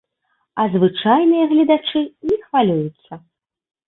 А звычайныя гледачы не хвалююцца.